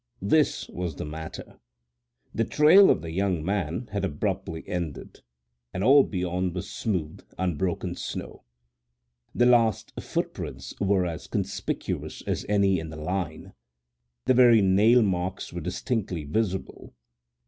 This was the matter: the trail of the young man had abruptly ended, and all beyond was smooth, unbroken snow. The last footprints were as conspicuous as any in the line; the very nail marks were distinctly visible. Mr.